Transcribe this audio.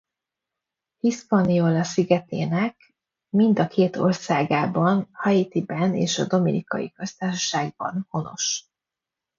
Hispaniola szigetének mind a két országában Haitiben és a Dominikai Köztársaságban honos.